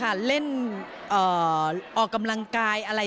ขอบคุณมากนะคะที่เป็นกำลังใจให้พ่อ